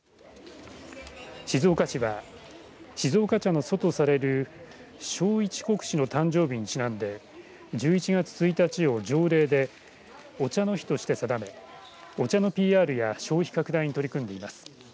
静岡市は静岡茶の祖とされる聖一国師の誕生日にちなんで１１月１日を条例でお茶の日として定めお茶のＰＲや消費拡大に取り組んでいます。